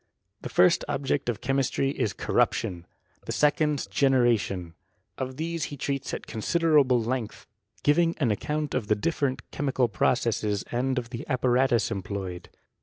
The first object of chemistry is corruption, the se cond generation. Of these be treats at considerable length, giving an account of the different chemical processes, and of the apparatus employed.